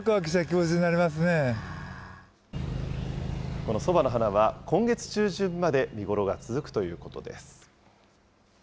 このソバの花は、今月中旬まで見頃が続くということです。